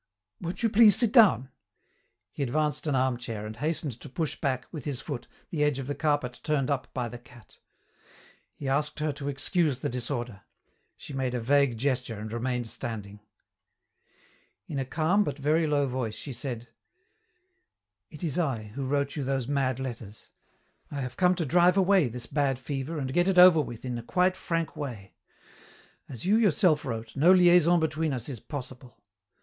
"Won't you please sit down?" He advanced an armchair and hastened to push back, with his foot, the edge of the carpet turned up by the cat. He asked her to excuse the disorder. She made a vague gesture and remained standing. In a calm but very low voice she said, "It is I who wrote you those mad letters. I have come to drive away this bad fever and get it over with in a quite frank way. As you yourself wrote, no liaison between us is possible.